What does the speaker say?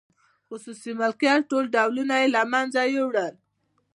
خصوصي مالکیت ټول ډولونه یې له منځه یووړل.